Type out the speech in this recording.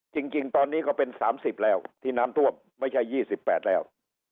จริงตอนนี้ก็เป็น๓๐แล้วที่น้ำท่วมไม่ใช่๒๘แล้ว